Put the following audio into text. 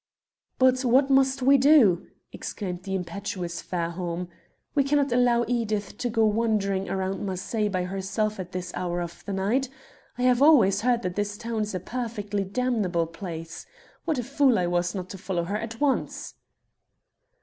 "But what must we do?" exclaimed the impetuous Fairholme. "We cannot allow Edith to go wandering around Marseilles by herself at this hour of the night. I have always heard that this town is a perfectly damnable place. What a fool I was not to follow her at once."